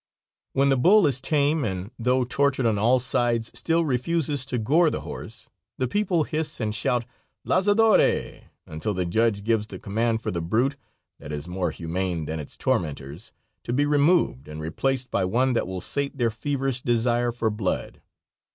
When the bull is tame and, though tortured on all sides, still refuses to gore the horse, the people hiss and shout "lazadore," until the judge gives the command for the brute, that is more humane than its tormentors, to be removed and replaced by one that will sate their feverish desire for blood.